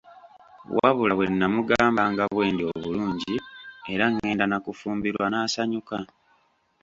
Wabula bwe nnamugamba nga bwe ndi obulungi era ngenda na kufumbirwa n'asanyuka.